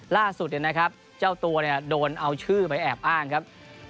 ล่าสุดเนี่ยนะครับเจ้าตัวเนี่ยโดนเอาชื่อไปแอบอ้างครับ